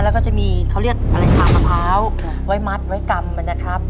แล้วก็จะมีเขาเรียกอะไรขามะพร้าวไว้มัดไว้กำนะครับ